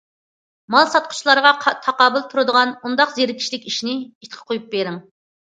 مال ساتقۇچىلارغا تاقابىل تۇرىدىغان ئۇنداق زېرىكىشلىك ئىشنى ئىتقا قويۇپ بېرىڭ.